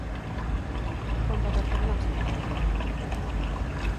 Quan va retornar al seu poble?